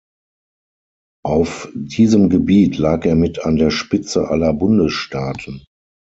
Auf diesem Gebiet lag er mit an der Spitze aller Bundesstaaten.